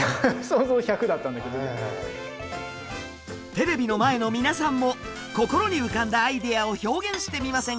テレビの前の皆さんも心に浮かんだアイデアを表現してみませんか？